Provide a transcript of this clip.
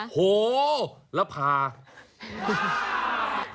โหแล้วผัก